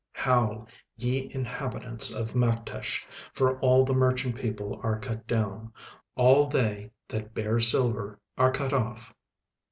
36:001:011 Howl, ye inhabitants of Maktesh, for all the merchant people are cut down; all they that bear silver are cut off.